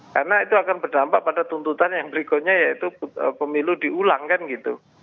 karena itu akan berdampak pada tuntutan yang berikutnya yaitu pemilu diulangkan gitu